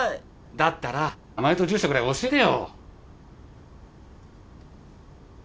だったら名前と住所くらい教えてよ！